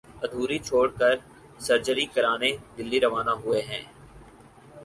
ادھوری چھوڑ کر سرجری کرانے دہلی روانہ ہوئے ہیں